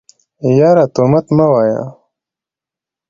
يره تومت مه وايه.